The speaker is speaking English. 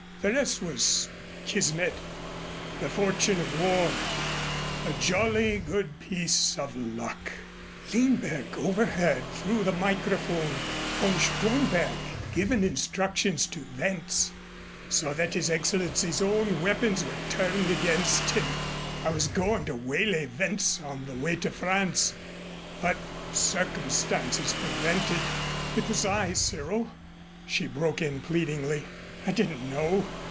The rest was Kismet the fortune of war a jolly good piece of luck! Lindberg overheard through the microphone von Stromberg givin' instructions to Wentz so that His Excellency's own weapons were turned against him. I was goin' to waylay Wentz on the way to France, but circumstances prevented " "It was I, Cyril," she broke in pleadingly. "I didn't know.